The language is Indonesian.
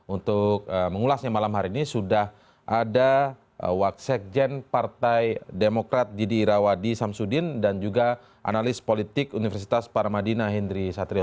untuk mengulasnya malam hari ini sudah ada waksekjen partai demokrat didi irawadi samsudin dan juga analis politik universitas paramadina hendri satrio